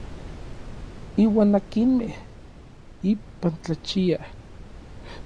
Iuan akinmej ipan tlachiaj.